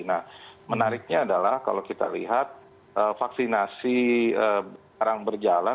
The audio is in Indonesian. nah menariknya adalah kalau kita lihat vaksinasi sekarang berjalan